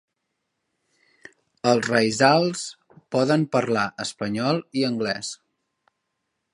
Els raizals poden parlar espanyol i anglès.